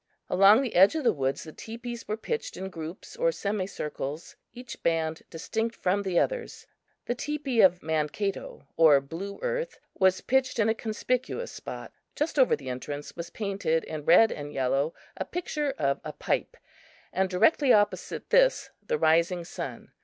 Along the edge of the woods the teepees were pitched in groups or semi circles, each band distinct from the others. The teepee of Mankato or Blue Earth was pitched in a conspicuous spot. Just over the entrance was painted in red and yellow a picture of a pipe, and directly opposite this the rising sun.